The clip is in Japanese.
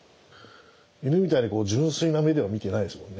犬みたいに純粋な目では見てないですもんね。